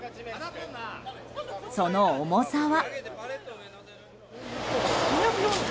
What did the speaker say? その重さは。